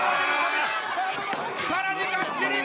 さらにがっちり。